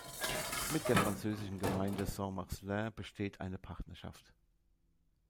Mit der französischen Gemeinde Saint-Marcellin besteht eine Partnerschaft.